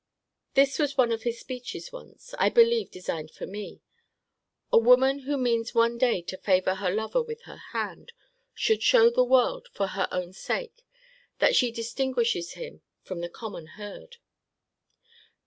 This was one of his speeches once; I believe designed for me 'A woman who means one day to favour her lover with her hand, should show the world, for her own sake, that she distinguishes him from the common herd.'